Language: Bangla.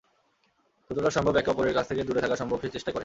যতটা সম্ভব একে অপরের কাছ থেকে দূরে থাকা সম্ভব, সে চেষ্টাই করে।